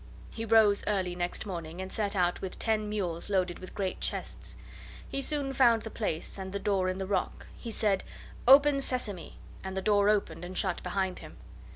He rose early next morning, and set out with ten mules loaded with great chests. He soon found the place, and the door in the rock. He said: "Open, Sesame!" and the door opened and shut behind him.